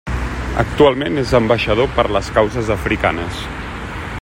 Actualment és ambaixador per les causes africanes.